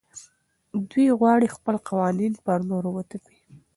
دوی غواړي خپل قوانین پر نورو وتپي.